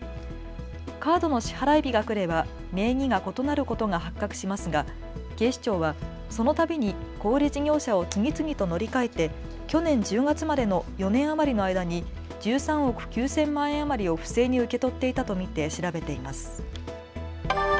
カードの支払日がくれば名義が異なることが発覚しますが警視庁はそのたびに小売事業者を次々と乗り換えて去年１０月までの４年余りの間に１３億９０００万円余りを不正に受け取っていたと見て調べています。